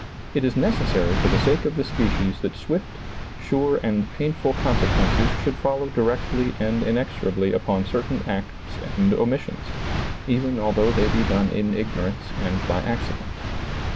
It is necessary for the sake of the species that swift, sure and painful conse quences should follow directly and inexorably upon certain acts and omissions, even although they be done in ignorance and by accident.